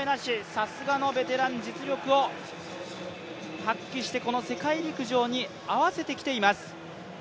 さすがのベテラン、実力を発揮してこの世界陸上に合わせてきています。